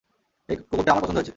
এই কুকুরটা আমার পছন্দ হয়েছে!